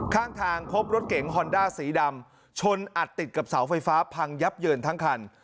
ข้างทางพบรถเก๋งฮอนด้าสีดำชนอัดติดกับเสาไฟฟ้าพังยับเยินทั้งคัน